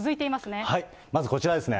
まずこちらですね。